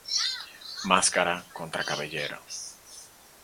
Máscara contra cabellera